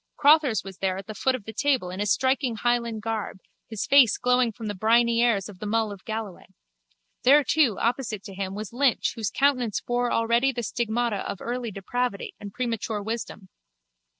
Crotthers was there at the foot of the table in his striking Highland garb, his face glowing from the briny airs of the Mull of Galloway. There too, opposite to him, was Lynch whose countenance bore already the stigmata of early depravity and premature wisdom.